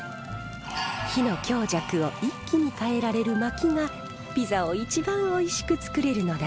火の強弱を一気に変えられるまきがピザを一番おいしくつくれるのだそう。